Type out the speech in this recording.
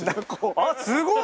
あっすごい！